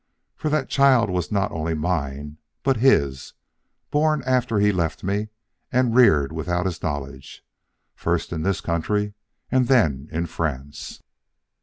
For that child was not only mine, but his; born after he left me, and reared without his knowledge, first in this country and then in France."